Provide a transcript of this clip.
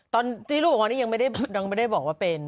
ตอนที่รู้ว่าคนนี้ยังไม่ได้บอกว่าเป็น